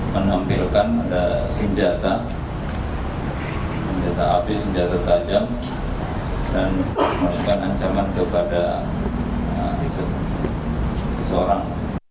masukkan ancaman kepada seseorang